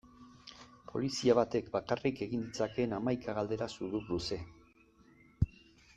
Polizia batek bakarrik egin ditzakeen hamaika galdera sudurluze.